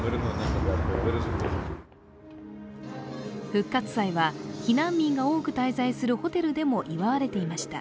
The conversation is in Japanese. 復活祭は、避難民が多く滞在するホテルでも祝われていました。